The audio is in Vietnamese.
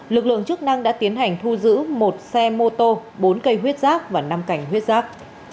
lực lượng chức năng đã tiến hành thu giữ một xe mô tô bốn cây huyết rác và năm cảnh huyết giáp